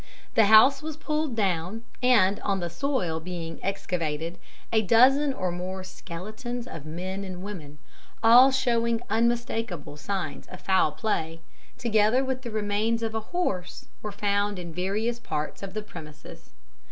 The house was pulled down, and, on the soil being excavated, a dozen or more skeletons of men and women all showing unmistakable signs of foul play together with the remains of a horse, were found in various parts of the premises.